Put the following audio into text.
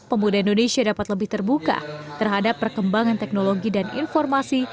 pemuda indonesia dapat lebih terbuka terhadap perkembangan teknologi dan informasi